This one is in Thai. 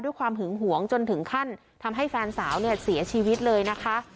ความหึงหวงจนถึงขั้นทำให้แฟนสาวเนี่ยเสียชีวิตเลยนะคะ